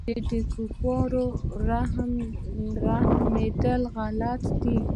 چې پر كفارو رحمېدل غلط دي.